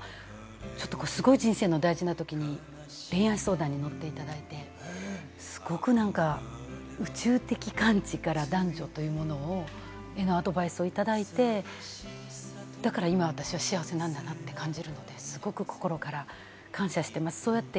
だから、そうだったんだって感じるとともに個人的には、すごい人生の大事なときに恋愛相談に乗っていただいて、すごく、宇宙的観地から男女というものをアドバイスをいただいて、だから今、私は幸せなんだなって感じるので、すごく心から感謝してます。